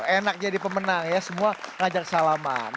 enak jadi pemenang ya semua ngajak salaman